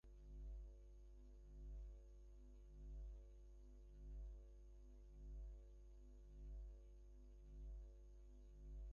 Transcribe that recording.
শুভ্র আনন্দপ্রভা আকাশে প্রান্তরে অরণ্যে নদীস্রোতে বিকশিত শ্বেত শতদলের ন্যায় পরিস্ফুট হইয়া উঠিয়াছে।